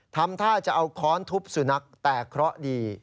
ทำท่าจะเอาค้อนทุบสุนัขแต่เคราะห์ดี